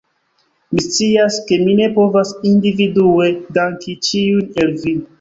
Mi scias, ke mi ne povas individue danki ĉiujn el vi